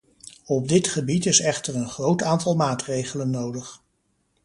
Op dit gebied is echter een groot aantal maatregelen nodig.